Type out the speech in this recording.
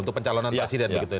untuk pencalonan presiden begitu ya